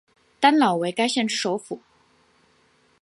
丹老为该县之首府。